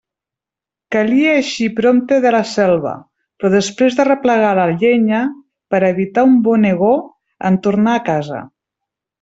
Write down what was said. Calia eixir prompte de la selva, però després d'arreplegar la llenya, per a evitar un bonegó en tornar a casa.